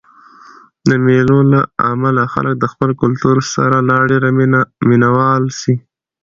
د مېلو له امله خلک د خپل کلتور سره لا ډېر مینه وال سي.